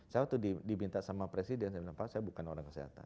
saya waktu diminta sama presiden saya bilang pak saya bukan orang kesehatan